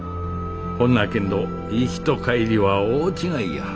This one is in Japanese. ほんなけんど行きと帰りは大違いや。